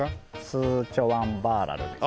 スーチョワンバーラルです。